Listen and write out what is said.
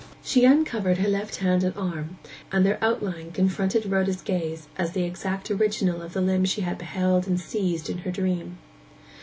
She uncovered her left hand and arm; and their outline confronted Rhoda's gaze as the exact original of the limb she had beheld and seized in her dream.